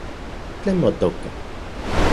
¿Tlen motoka?